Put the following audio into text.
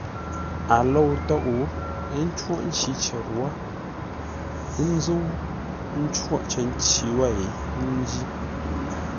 A lou tóʼ, ə́ ncóghʼ nci cər wə́, ə́ nzə́u ńcóghʼ cər nci wêi ńjí.